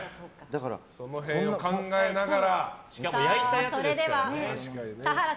その辺を考えながら。